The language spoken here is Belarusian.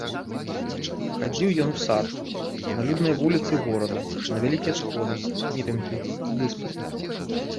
Хадзіў ён у сад, на людныя вуліцы горада, на вялікія сходы, мітынгі, дыспуты.